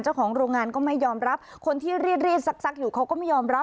เจ้าของโรงงานก็ไม่ยอมรับคนที่รีดรีดซักอยู่เขาก็ไม่ยอมรับ